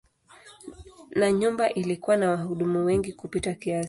Na nyumba ilikuwa na wahudumu wengi kupita kiasi.